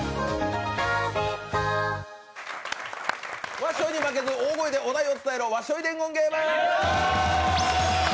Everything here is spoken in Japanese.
「わっしょい！」に負けず大声でお題を伝えろ、「わっしょい伝言ゲーム」。